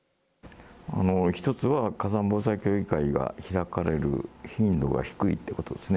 １つは、火山防災協議会が開かれる頻度が低いってことですね。